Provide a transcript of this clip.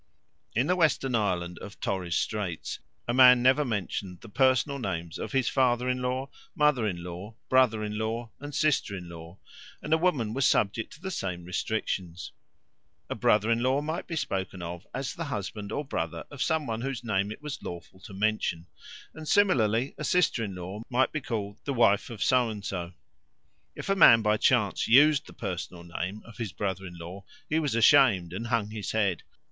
In the western islands of Torres Straits a man never mentioned the personal names of his father in law, mother in law, brother in law, and sister in law; and a woman was subject to the same restrictions. A brother in law might be spoken of as the husband or brother of some one whose name it was lawful to mention; and similarly a sister in law might be called the wife of So and so. If a man by chance used the personal name of his brother in law, he was ashamed and hung his head.